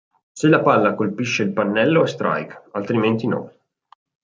Se la palla colpisce il pannello è strike, altrimenti no.